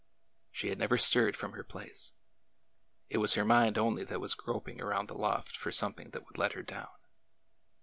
She had never stirred from her place. It was her mind only that was groping around the loft for something that would let her down.